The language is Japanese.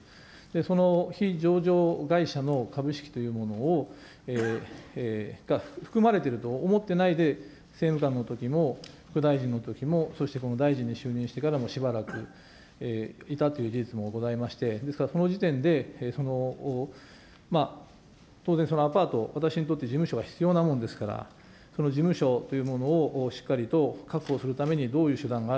その非上場会社の株式というものを、が含まれていると思っていないで政務官のときも、副大臣のときも、そしてこの大臣に就任してからも、しばらくいたという事実もございまして、ですから、その時点で当然、そのアパート、私にとって事務所は必要なものですから、その事務所というものをしっかりと確保するためにどういう手段が